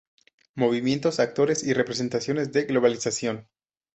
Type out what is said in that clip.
Movimientos, actores y representaciones de la globalización".